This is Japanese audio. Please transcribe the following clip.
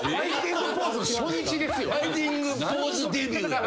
ファイティングポーズデビュー。